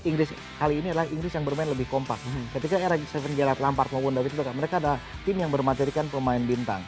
inggris kali ini adalah inggris yang bermain lebih kompak ketika era tujuh galet lampard maupun david mereka adalah tim yang bermaterikan pemain bintang